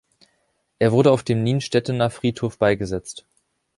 Er wurde auf dem Nienstedtener Friedhof beigesetzt.